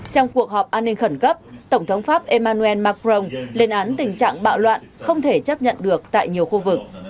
trong cuộc họp an ninh khẩn cấp tổng thống pháp emmanuel macron lên án tình trạng bạo loạn không thể chấp nhận được tại nhiều khu vực